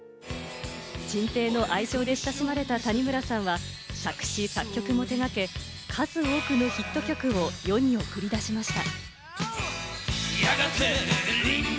チンペイの愛称で親しまれた谷村さんは、作詞・作曲も手がけ、数多くのヒット曲を世に送り出しました。